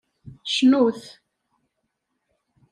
Cnut!